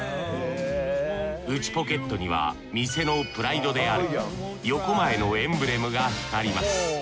内ポケットには店のプライドであるヨコマエのエンブレムが光ります。